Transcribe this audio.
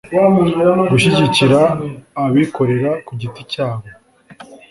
gushyigikira abikorera ku giti cyabo,